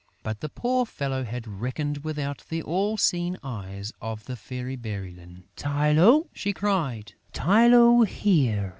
But the poor fellow had reckoned without the all seeing eyes of the Fairy Bérylune. "Tylô!" she cried. "Tylô! Here!"